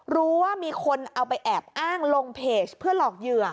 รู้ว่ามีคนเอาไปแอบอ้างลงเพจเพื่อหลอกเหยื่อ